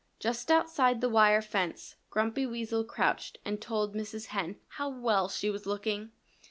Just outside the wire fence Grumpy Weasel crouched and told Mrs. Hen how well she was looking.